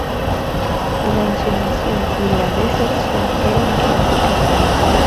La insumisión y la deserción era una práctica común.